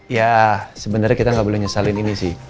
ya sebenarnya kita nggak boleh nyesalin ini sih